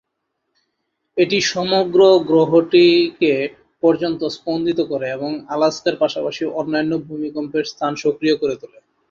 এটি সমগ্র গ্রহটি কে পর্যন্ত স্পন্দিত করে এবং আলাস্কার পাশাপাশি অন্যান্য ভূমিকম্পের স্থান সক্রিয় করে তুলে।